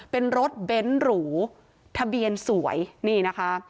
เป็นรถเบ้นหรูทะเบียนสวยนี่นะคะ